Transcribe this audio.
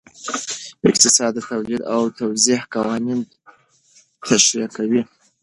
اقتصاد د تولید او توزیع قوانین تشریح کوي.